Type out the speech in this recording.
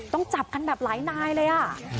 ต้องจับกันแบบหลายนายเลย